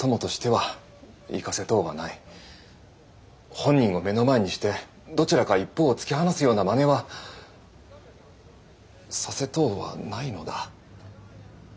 本人を目の前にしてどちらか一方を突き放すようなまねはさせとうはないのだ。